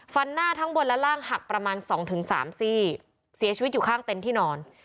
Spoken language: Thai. หน้าทั้งบนและล่างหักประมาณสองถึงสามซี่เสียชีวิตอยู่ข้างเต็นต์ที่นอน